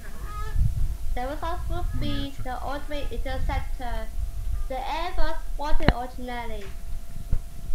The result would be the "ultimate interceptor" the Air Force wanted originally.